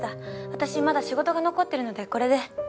私まだ仕事が残ってるのでこれで。